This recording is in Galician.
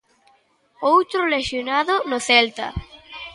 Outro lesionado no Celta.